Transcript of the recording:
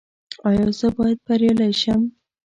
ایا زه باید بریالی شم؟